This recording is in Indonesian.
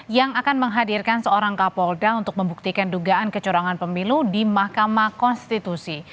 yang akan menghadirkan seorang kapolda untuk membuktikan dugaan kecurangan pemilu di mahkamah konstitusi